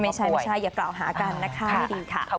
ไม่ใช่ไม่ใช่อย่ากล่าวหากันนะคะไม่ดีค่ะ